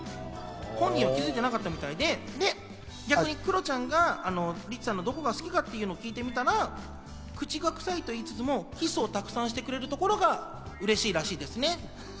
本人は気づいてなかったみたいで、逆にクロちゃんがリチさんのどこが好きか聞いてみたら、口が臭いと言いつつもキスを沢山してくれるところが嬉しいらしいですね。